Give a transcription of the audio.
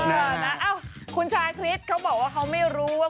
เอ่อคุณจาร์คริสต์เค้าบอกว่าเค้าไม่รู้ว่า